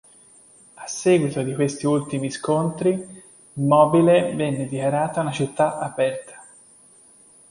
A seguito di questi ultimi scontri Mobile venne dichiarata una città aperta.